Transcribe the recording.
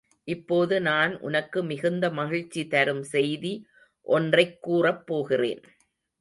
இப்போது நான் உனக்கு மிகுந்த மகிழ்ச்சி தரும் செய்தி ஒன்றைக் கூறப் போகிறேன்.